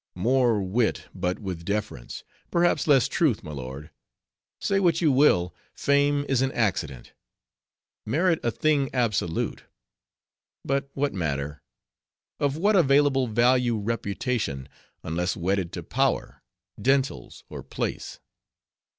"More wit, but, with deference, perhaps less truth, my lord. Say what you will, Fame is an accident; merit a thing absolute. But what matter? Of what available value reputation, unless wedded to power, dentals, or place?